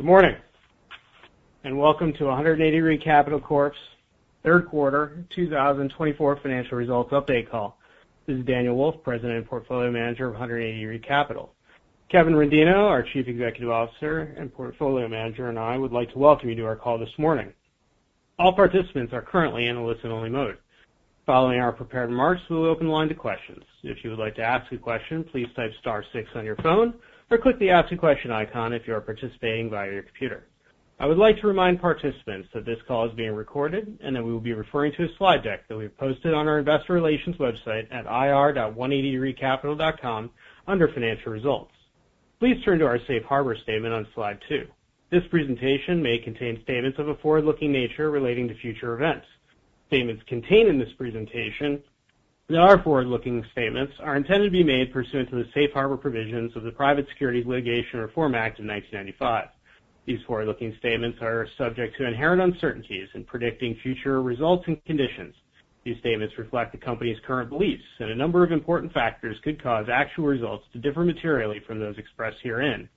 Good morning and welcome to 180 Degree Capital Corp's Third Quarter 2024 Financial Results Update Call. This is Daniel Wolfe, President and Portfolio Manager of 180 Degree Capital. Kevin Rendino, our Chief Executive Officer and Portfolio Manager, and I would like to welcome you to our call this morning. All participants are currently in a listen-only mode. Following our prepared remarks, we will open the line to questions. If you would like to ask a question, please type star six on your phone or click the Ask a Question icon if you are participating via your computer. I would like to remind participants that this call is being recorded and that we will be referring to a slide deck that we have posted on our Investor Relations website at ir.180degreecapital.com under Financial Results. Please turn to our safe harbor statement on slide two. This presentation may contain statements of a forward-looking nature relating to future events. Statements contained in this presentation that are forward-looking statements are intended to be made pursuant to the safe harbor provisions of the Private Securities Litigation Reform Act of 1995. These forward-looking statements are subject to inherent uncertainties in predicting future results and conditions. These statements reflect the company's current beliefs and a number of important factors could cause actual results to differ materially from those expressed herein.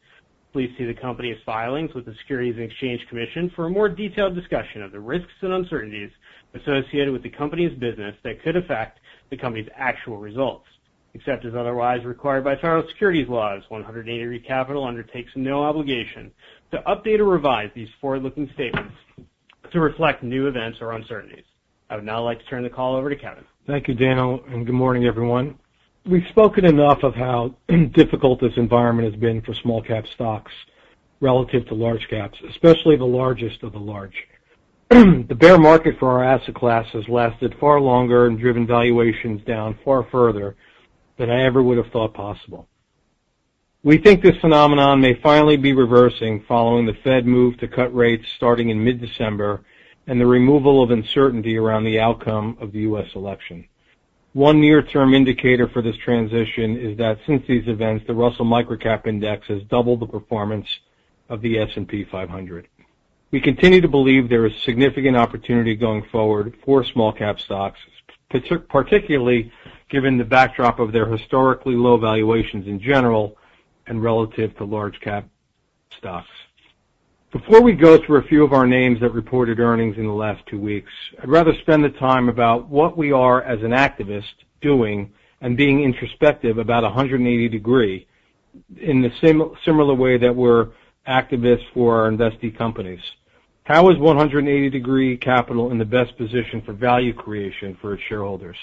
Please see the company's filings with the Securities and Exchange Commission for a more detailed discussion of the risks and uncertainties associated with the company's business that could affect the company's actual results. Except as otherwise required by federal securities laws, 180 Degree Capital undertakes no obligation to update or revise these forward-looking statements to reflect new events or uncertainties. I would now like to turn the call over to Kevin. Thank you, Daniel, and good morning, everyone. We've spoken enough of how difficult this environment has been for small-cap stocks relative to large-caps, especially the largest of the large. The bear market for our asset class has lasted far longer and driven valuations down far further than I ever would have thought possible. We think this phenomenon may finally be reversing following the Fed move to cut rates starting in mid-December and the removal of uncertainty around the outcome of the U.S. election. One near-term indicator for this transition is that since these events, the Russell Microcap Index has doubled the performance of the S&P 500. We continue to believe there is significant opportunity going forward for small-cap stocks, particularly given the backdrop of their historically low valuations in general and relative to large-cap stocks. Before we go through a few of our names that reported earnings in the last two weeks, I'd rather spend the time about what we are as an activist doing and being introspective about 180 Degree in the similar way that we're activists for our investee companies. How is 180 Degree Capital in the best position for value creation for its shareholders?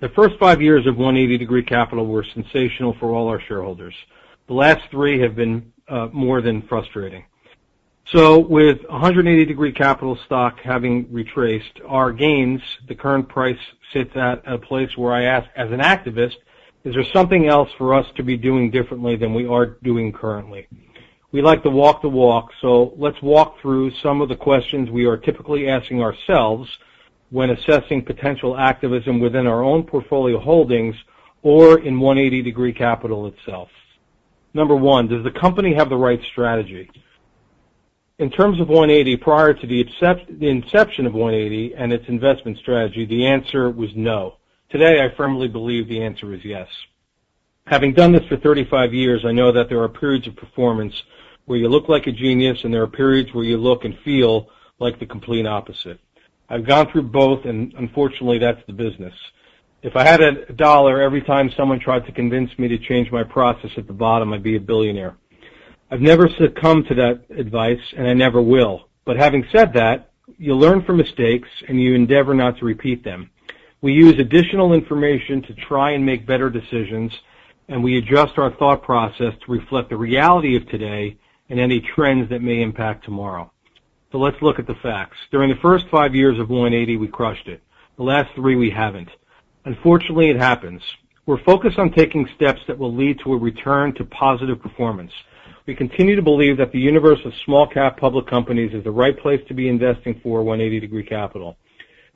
The first five years of 180 Degree Capital were sensational for all our shareholders. The last three have been more than frustrating. So, with 180 Degree Capital stock having retraced our gains, the current price sits at a place where I ask, as an activist, is there something else for us to be doing differently than we are doing currently? We like to walk the walk, so let's walk through some of the questions we are typically asking ourselves when assessing potential activism within our own portfolio holdings or in 180 Degree Capital itself. Number one, does the company have the right strategy? In terms of 180, prior to the inception of 180 and its investment strategy, the answer was no. Today, I firmly believe the answer is yes. Having done this for 35 years, I know that there are periods of performance where you look like a genius and there are periods where you look and feel like the complete opposite. I've gone through both, and unfortunately, that's the business. If I had a dollar every time someone tried to convince me to change my process at the bottom, I'd be a billionaire. I've never succumbed to that advice, and I never will. But having said that, you learn from mistakes, and you endeavor not to repeat them. We use additional information to try and make better decisions, and we adjust our thought process to reflect the reality of today and any trends that may impact tomorrow. So, let's look at the facts. During the first five years of 180, we crushed it. The last three, we haven't. Unfortunately, it happens. We're focused on taking steps that will lead to a return to positive performance. We continue to believe that the universe of small-cap public companies is the right place to be investing for 180 Degree Capital.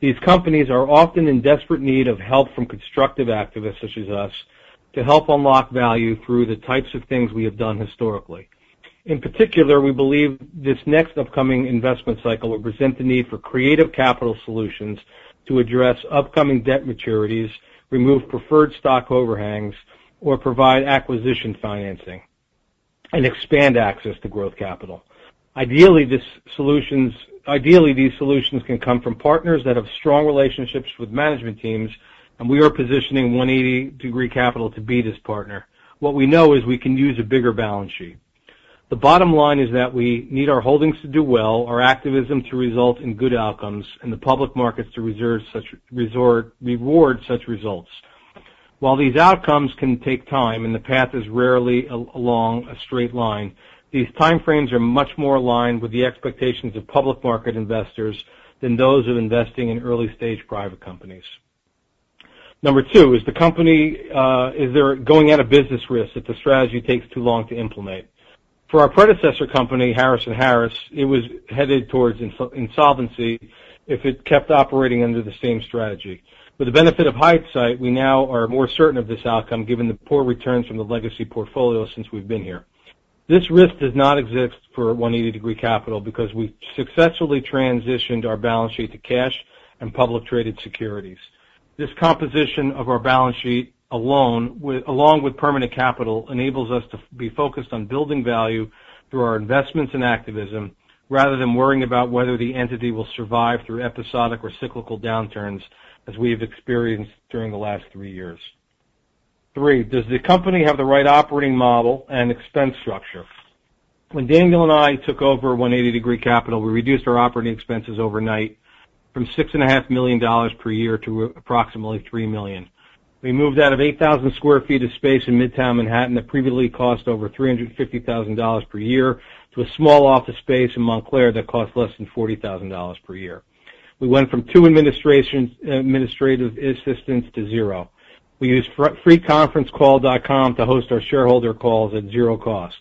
These companies are often in desperate need of help from constructive activists such as us to help unlock value through the types of things we have done historically. In particular, we believe this next upcoming investment cycle will present the need for creative capital solutions to address upcoming debt maturities, remove preferred stock overhangs, or provide acquisition financing and expand access to growth capital. Ideally, these solutions can come from partners that have strong relationships with management teams, and we are positioning 180 Degree Capital to be this partner. What we know is we can use a bigger balance sheet. The bottom line is that we need our holdings to do well, our activism to result in good outcomes, and the public markets to resort such results. While these outcomes can take time and the path is rarely along a straight line, these time frames are much more aligned with the expectations of public market investors than those of investing in early-stage private companies. Number two, is the company going out of business risk if the strategy takes too long to implement? For our predecessor company, Harris & Harris, it was headed towards insolvency if it kept operating under the same strategy. With the benefit of hindsight, we now are more certain of this outcome given the poor returns from the legacy portfolio since we've been here. This risk does not exist for 180 Degree Capital because we've successfully transitioned our balance sheet to cash and public-traded securities. This composition of our balance sheet alone, along with permanent capital, enables us to be focused on building value through our investments and activism rather than worrying about whether the entity will survive through episodic or cyclical downturns as we have experienced during the last three years. Three, does the company have the right operating model and expense structure? When Daniel and I took over 180 Degree Capital, we reduced our operating expenses overnight from $6.5 million per year to approximately $3 million. We moved out of 8,000 sq ft of space in Midtown Manhattan that previously cost over $350,000 per year to a small office space in Montclair that cost less than $40,000 per year. We went from two administrative assistants to zero. We used FreeConferenceCall.com to host our shareholder calls at zero cost.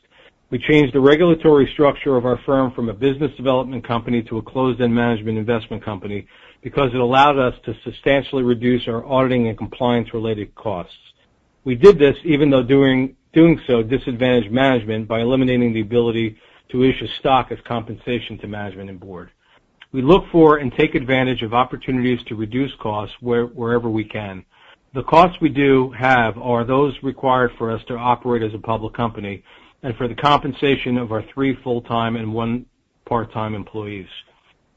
We changed the regulatory structure of our firm from a business development company to a closed-end management investment company because it allowed us to substantially reduce our auditing and compliance-related costs. We did this even though doing so disadvantaged management by eliminating the ability to issue stock as compensation to management and board. We look for and take advantage of opportunities to reduce costs wherever we can. The costs we do have are those required for us to operate as a public company and for the compensation of our three full-time and one part-time employees.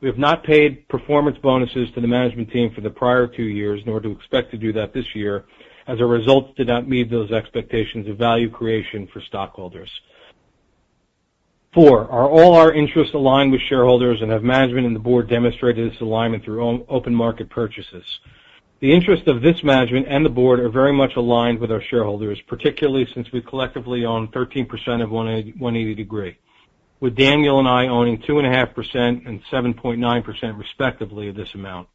We have not paid performance bonuses to the management team for the prior two years nor do expect to do that this year as our results did not meet those expectations of value creation for stockholders. Four, are all our interests aligned with shareholders and have management and the board demonstrated this alignment through open market purchases? The interests of this management and the board are very much aligned with our shareholders, particularly since we collectively own 13% of 180 Degree, with Daniel and I owning 2.5% and 7.9% respectively of this amount.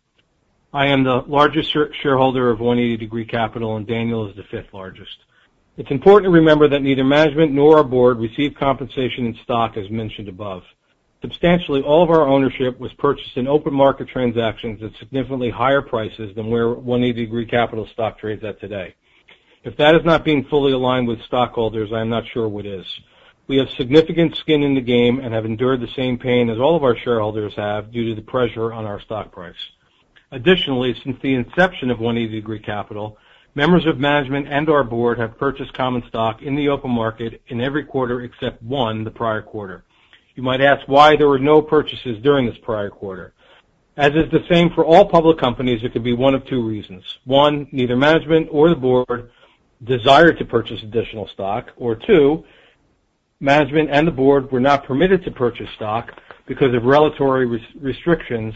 I am the largest shareholder of 180 Degree Capital, and Daniel is the fifth largest. It's important to remember that neither management nor our board receive compensation in stock as mentioned above. Substantially, all of our ownership was purchased in open market transactions at significantly higher prices than where 180 Degree Capital stock trades at today. If that is not being fully aligned with stockholders, I'm not sure what is. We have significant skin in the game and have endured the same pain as all of our shareholders have due to the pressure on our stock price. Additionally, since the inception of 180 Degree Capital, members of management and our board have purchased common stock in the open market in every quarter except one the prior quarter. You might ask why there were no purchases during this prior quarter. As is the same for all public companies, it could be one of two reasons. One, neither management or the board desired to purchase additional stock, or two, management and the board were not permitted to purchase stock because of regulatory restrictions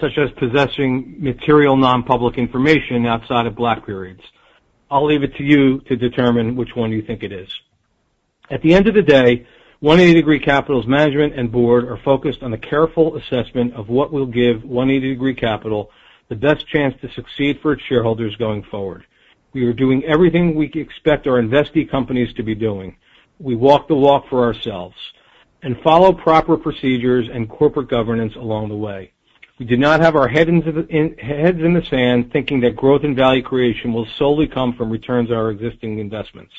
such as possessing material non-public information outside of black periods. I'll leave it to you to determine which one you think it is. At the end of the day, 180 Degree Capital's management and board are focused on a careful assessment of what will give 180 Degree Capital the best chance to succeed for its shareholders going forward. We are doing everything we expect our investee companies to be doing. We walk the walk for ourselves and follow proper procedures and corporate governance along the way. We do not have our heads in the sand thinking that growth and value creation will solely come from returns on our existing investments.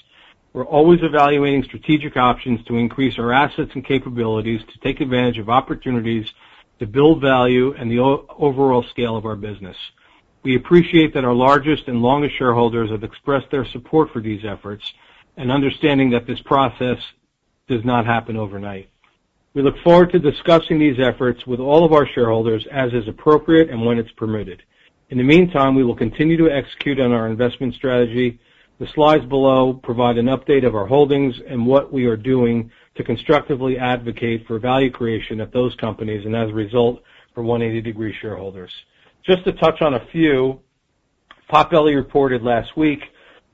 We're always evaluating strategic options to increase our assets and capabilities to take advantage of opportunities to build value and the overall scale of our business. We appreciate that our largest and longest shareholders have expressed their support for these efforts and understanding that this process does not happen overnight. We look forward to discussing these efforts with all of our shareholders as is appropriate and when it's permitted. In the meantime, we will continue to execute on our investment strategy. The slides below provide an update of our holdings and what we are doing to constructively advocate for value creation at those companies and, as a result, for 180 Degree shareholders. Just to touch on a few, Potbelly reported last week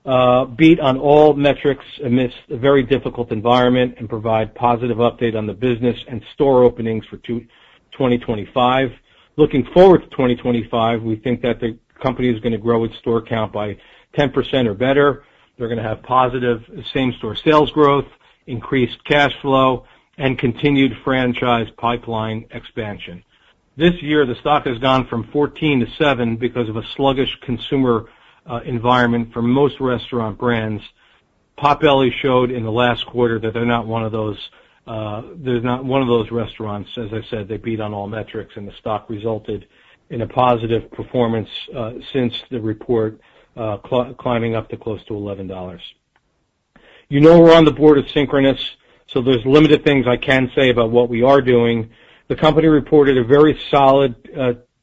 beat on all metrics amidst a very difficult environment and provide positive update on the business and store openings for 2025. Looking forward to 2025, we think that the company is going to grow its store count by 10% or better. They're going to have positive same-store sales growth, increased cash flow, and continued franchise pipeline expansion. This year, the stock has gone from $14-$7 because of a sluggish consumer environment for most restaurant brands. Potbelly showed in the last quarter that they're not one of those restaurants. As I said, they beat on all metrics, and the stock resulted in a positive performance since the report, climbing up to close to $11. You know we're on the board of Synchronoss, so there's limited things I can say about what we are doing. The company reported a very solid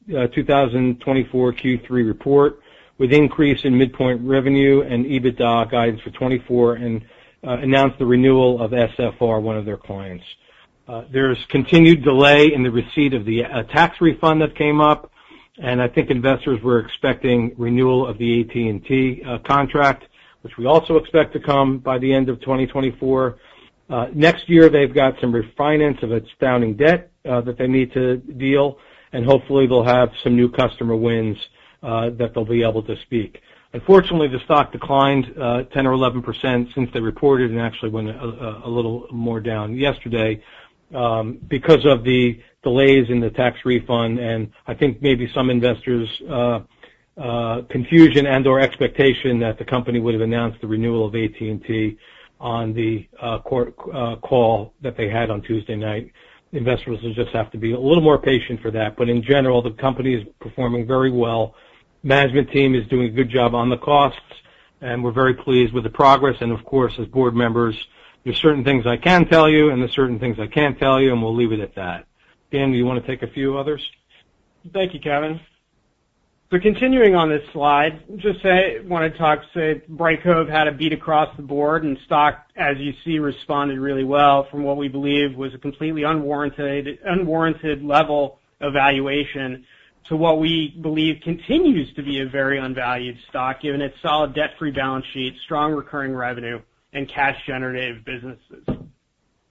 2024 Q3 report with increase in midpoint revenue and EBITDA guidance for 2024 and announced the renewal of SFR, one of their clients. There's continued delay in the receipt of the tax refund that came up, and I think investors were expecting renewal of the AT&T contract, which we also expect to come by the end of 2024. Next year, they've got some refinance of its funding debt that they need to deal, and hopefully, they'll have some new customer wins that they'll be able to speak. Unfortunately, the stock declined 10% or 11% since they reported and actually went a little more down yesterday because of the delays in the tax refund and I think maybe some investors' confusion and/or expectation that the company would have announced the renewal of AT&T on the earnings call that they had on Tuesday night. Investors will just have to be a little more patient for that. But in general, the company is performing very well. Management team is doing a good job on the costs, and we're very pleased with the progress. And of course, as board members, there are certain things I can tell you and there are certain things I can't tell you, and we'll leave it at that. Daniel, you want to take a few others? Thank you, Kevin. So continuing on this slide, just wanted to talk, say, Brightcove have had a beat across the board and stock, as you see, responded really well from what we believe was a completely unwarranted level of valuation to what we believe continues to be a very undervalued stock given its solid debt-free balance sheet, strong recurring revenue, and cash-generative businesses.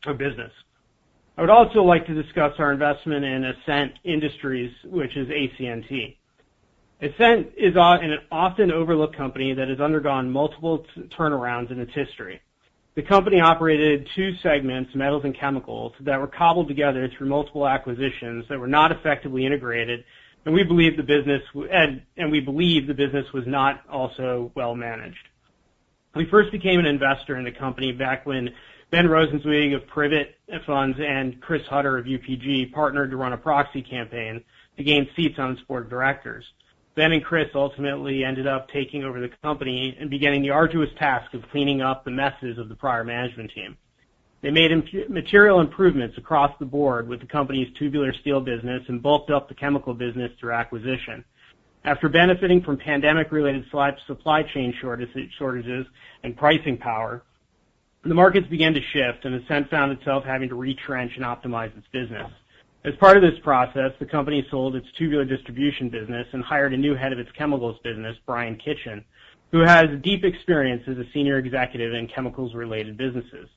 I would also like to discuss our investment in Ascent Industries, which is ACNT. Ascent is an often overlooked company that has undergone multiple turnarounds in its history. The company operated two segments, metals and chemicals, that were cobbled together through multiple acquisitions that were not effectively integrated, and we believe the business was not also well-managed. We first became an investor in the company back when Ben Rosen of Privet Funds and Chris Hutter of UPG partnered to run a proxy campaign to gain seats on the board of directors. Ben and Chris ultimately ended up taking over the company and beginning the arduous task of cleaning up the messes of the prior management team. They made material improvements across the board with the company's tubular steel business and bulked up the chemical business through acquisition. After benefiting from pandemic-related supply chain shortages and pricing power, the markets began to shift, and Ascent found itself having to retrench and optimize its business. As part of this process, the company sold its tubular distribution business and hired a new head of its chemicals business, Bryan Kitchen, who has deep experience as a senior executive in chemicals-related businesses.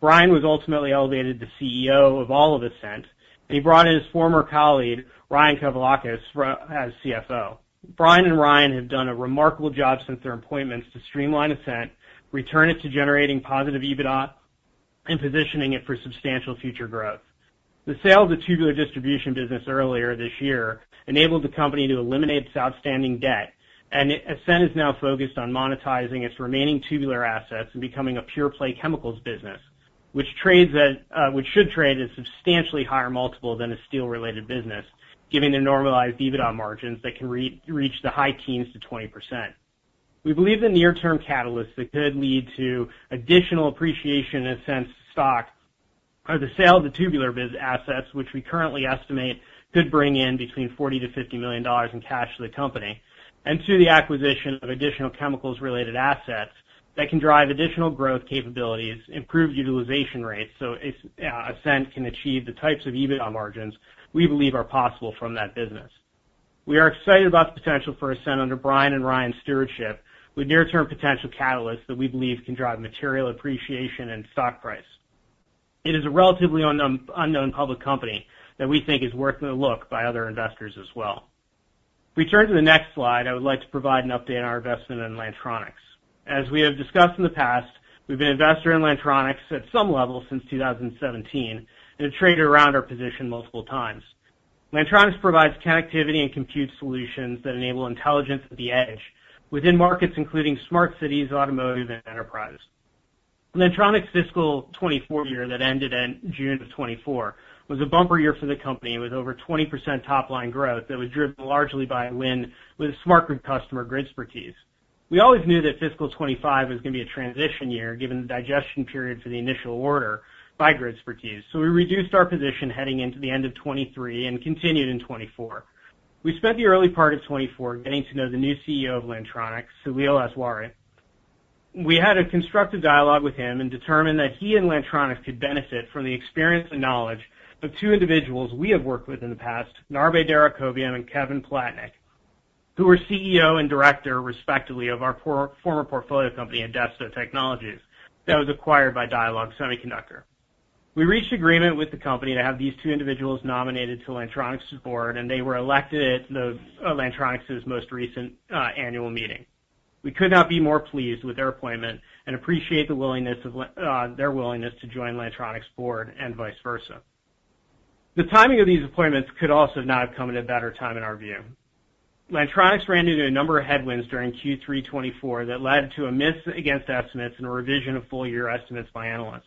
Bryan was ultimately elevated to CEO of all of Ascent, and he brought in his former colleague, Ryan Kavalauskas, as CFO. Bryan and Ryan have done a remarkable job since their appointments to streamline Ascent, return it to generating positive EBITDA, and positioning it for substantial future growth. The sale of the tubular distribution business earlier this year enabled the company to eliminate its outstanding debt, and Ascent is now focused on monetizing its remaining tubular assets and becoming a pure-play chemicals business, which should trade at a substantially higher multiple than a steel-related business, giving the normalized EBITDA margins that can reach the high teens to 20%. We believe the near-term catalysts that could lead to additional appreciation in Ascent's stock are the sale of the tubular assets, which we currently estimate could bring in between $40 million-$50 million in cash to the company and to the acquisition of additional chemicals-related assets that can drive additional growth capabilities, improved utilization rates so Ascent can achieve the types of EBITDA margins we believe are possible from that business. We are excited about the potential for Ascent under Brian and Ryan's stewardship with near-term potential catalysts that we believe can drive material appreciation in stock price. It is a relatively unknown public company that we think is worth a look by other investors as well. Returning to the next slide, I would like to provide an update on our investment in Lantronix. As we have discussed in the past, we've been invested in Lantronix at some level since 2017 and have traded around our position multiple times. Lantronix provides connectivity and compute solutions that enable intelligence at the edge within markets including smart cities, automotive, and enterprise. Lantronix's fiscal 2024 year that ended in June of 2024 was a bumper year for the company with over 20% top-line growth that was driven largely by a win with smart grid customer, Gridspertise. We always knew that fiscal 2025 was going to be a transition year given the digestion period for the initial order by Gridspertise, so we reduced our position heading into the end of 2023 and continued in 2024. We spent the early part of 2024 getting to know the new CEO of Lantronix, Saleel Awsare. We had a constructive dialogue with him and determined that he and Lantronix could benefit from the experience and knowledge of two individuals we have worked with in the past, Narbeh Derhacobian and Kevin Palatnik, who were CEO and director, respectively, of our former portfolio company, Adesto Technologies, that was acquired by Dialog Semiconductor. We reached agreement with the company to have these two individuals nominated to Lantronix's board, and they were elected at Lantronix's most recent annual meeting. We could not be more pleased with their appointment and appreciate their willingness to join Lantronix's board and vice versa. The timing of these appointments could also not have come at a better time in our view. Lantronix ran into a number of headwinds during Q3 2024 that led to a miss against estimates and a revision of full-year estimates by analysts.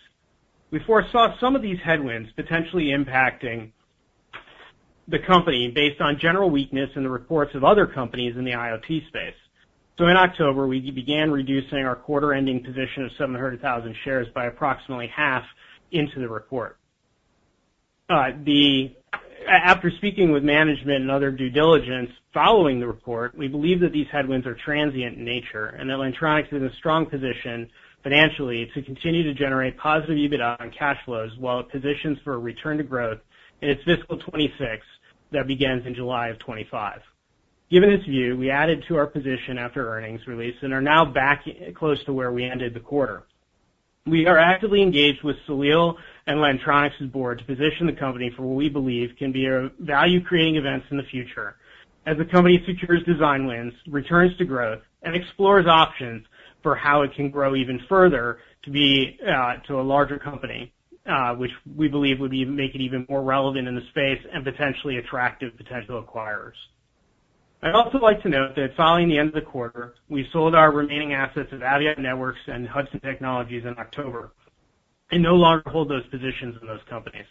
We foresaw some of these headwinds potentially impacting the company based on general weakness in the reports of other companies in the IoT space. So in October, we began reducing our quarter-ending position of 700,000 shares by approximately half into the report. After speaking with management and other due diligence following the report, we believe that these headwinds are transient in nature and that Lantronix is in a strong position financially to continue to generate positive EBITDA and cash flows while it positions for a return to growth in its fiscal 2026 that begins in July of 2025. Given this view, we added to our position after earnings release and are now back close to where we ended the quarter. We are actively engaged with Saleel and Lantronix's board to position the company for what we believe can be value-creating events in the future as the company secures design wins, returns to growth, and explores options for how it can grow even further to a larger company, which we believe would make it even more relevant in the space and potentially attractive to potential acquirers. I'd also like to note that following the end of the quarter, we sold our remaining assets at Aviat Networks and Hudson Technologies in October and no longer hold those positions in those companies,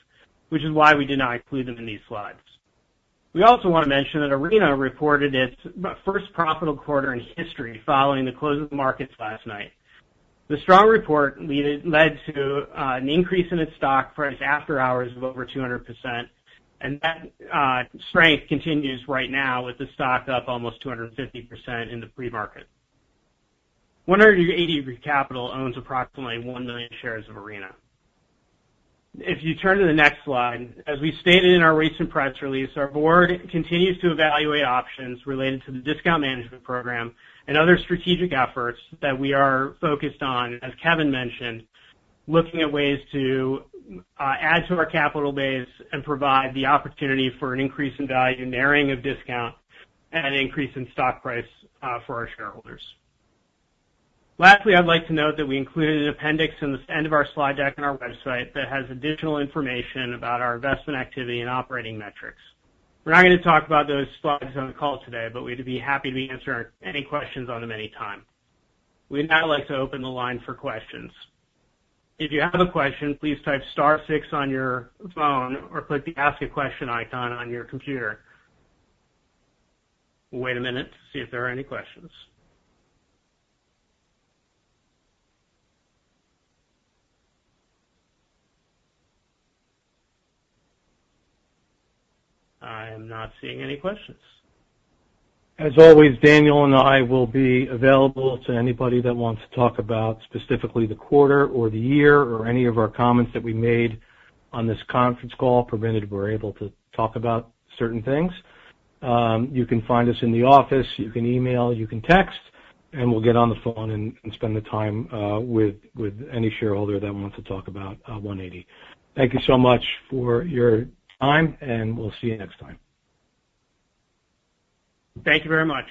which is why we did not include them in these slides. We also want to mention that Arena reported its first profitable quarter in history following the close of the markets last night. The strong report led to an increase in its stock price after hours of over 200%, and that strength continues right now with the stock up almost 250% in the pre-market. 180 Degree Capital owns approximately 1 million shares of Arena. If you turn to the next slide, as we stated in our recent press release, our board continues to evaluate options related to the discount management program and other strategic efforts that we are focused on, as Kevin mentioned, looking at ways to add to our capital base and provide the opportunity for an increase in value, narrowing of discount, and an increase in stock price for our shareholders. Lastly, I'd like to note that we included an appendix in the end of our slide deck on our website that has additional information about our investment activity and operating metrics. We're not going to talk about those slides on the call today, but we'd be happy to answer any questions on them any time. We'd now like to open the line for questions. If you have a question, please type star six on your phone or click the Ask a Question icon on your computer. Wait a minute to see if there are any questions. I am not seeing any questions. As always, Daniel and I will be available to anybody that wants to talk about specifically the quarter or the year or any of our comments that we made on this conference call, provided we're able to talk about certain things. You can find us in the office, you can email, you can text, and we'll get on the phone and spend the time with any shareholder that wants to talk about 180. Thank you so much for your time, and we'll see you next time. Thank you very much.